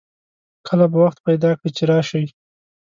کله به وخت پیدا کړي چې راشئ